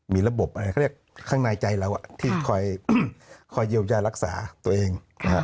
มีระบบอะไรเขาเรียกข้างในใจเราที่คอยเยียวยารักษาตัวเอง